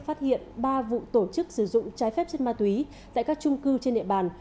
phát hiện ba vụ tổ chức sử dụng trái phép chất ma túy tại các trung cư trên địa bàn